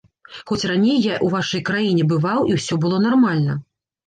Хоць раней я ў вашай краіне бываў і ўсё было нармальна.